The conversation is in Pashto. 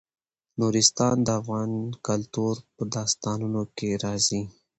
نورستان د افغان کلتور په داستانونو کې راځي.